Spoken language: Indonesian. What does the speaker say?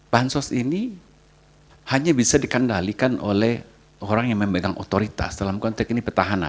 bansos ini hanya bisa dikendalikan oleh orang yang memegang otoritas dalam konteks ini petahana